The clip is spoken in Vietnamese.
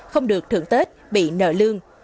không được thưởng tết bị nợ lương